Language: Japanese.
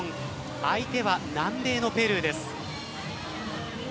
相手は南米のペルーです。